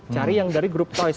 cari yang dari grup toys